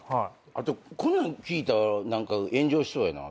あとこんなん聞いたら何か炎上しそうやな。